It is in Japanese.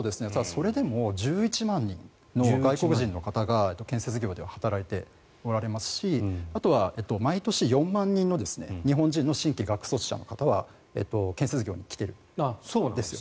それでも１１万人の外国人の方が建設業では働いておられますしあとは毎年４万人の日本人の新規学卒者の方は建設業に来ているんですよ。